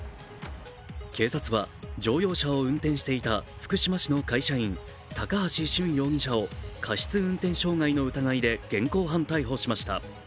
警察は乗用車を運転していた福島市の会社員、高橋俊容疑者を過失運転傷害の疑いで現行犯逮捕しました。